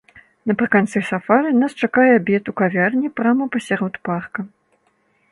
Напрыканцы сафары нас чакае абед у кавярні прама пасярод парка.